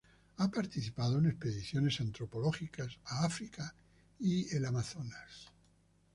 Ha participado en expediciones antropológicas a África y el Amazonas.